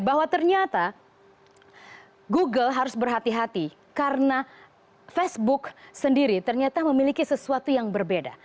bahwa ternyata google harus berhati hati karena facebook sendiri ternyata memiliki sesuatu yang berbeda